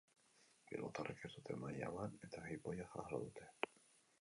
Bilbotarrek ez dute maila eman eta jipoia jaso dute.